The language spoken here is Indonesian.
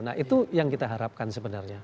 nah itu yang kita harapkan sebenarnya